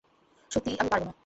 সত্যিই আমি পারবো না।